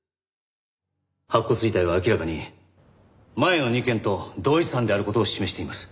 白骨遺体は明らかに前の２件と同一犯である事を示しています。